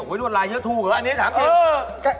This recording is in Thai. โอ้โฮนวดลายเยอะถูกแล้วอันนี้ถามเห็น